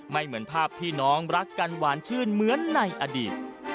เหมือนภาพพี่น้องรักกันหวานชื่นเหมือนในอดีต